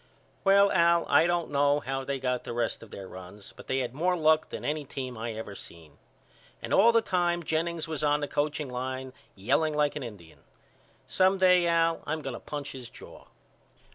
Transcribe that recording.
Well Al I don't know how they got the rest of their runs but they had more luck than any team I ever seen. And all the time Jennings was on the coaching line yelling like a Indian. Some day Al I'm going to punch his jaw.